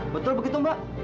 betul begitu mbak